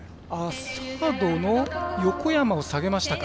サードの横山を下げましたか。